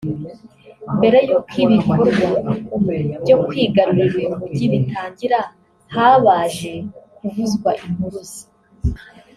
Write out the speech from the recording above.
Mbere y’uko ibikorwa byo kwigarurira uyu mugi bitangira habaje kuvuzwa impuruza